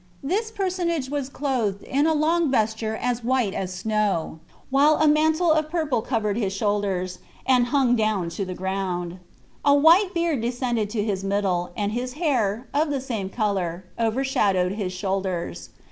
This personage was clothed in a long vesture as white as snow, while a mantle of purple covered his shoulders, and hung down to the ground. A white beard descended to his middle, and his hair, of the same color, overshadowed his shoulders.